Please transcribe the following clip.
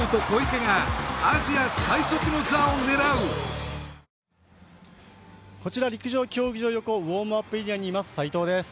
サントリーこちら陸上競技場横、ウォームアップエリアにいます斎藤です。